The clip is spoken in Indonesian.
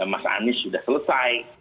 mas anies sudah selesai